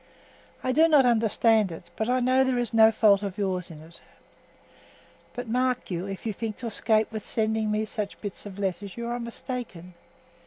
I do not understand it, but I know there is no fault of yours in't. But, mark you! if you think to 'scape with sending me such bits of letters, you are mistaken.